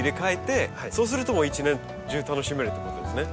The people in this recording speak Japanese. そうすると一年中楽しめるってことですね。